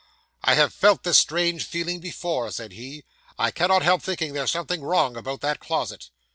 "I have felt this strange feeling before," said he, "I cannot help thinking there's something wrong about that closet."